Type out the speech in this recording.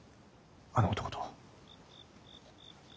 あの男と。